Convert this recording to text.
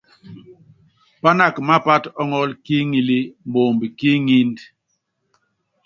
Pánaka mápát ɔŋɔ́l ki iŋilí moomb ki ŋínd.